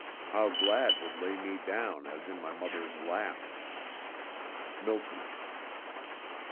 How glad would lay me down As in my mother's lap! MILTON.